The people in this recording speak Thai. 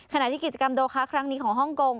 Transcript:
ขณะที่กิจกรรมโดคะครั้งนี้ของฮ่องกง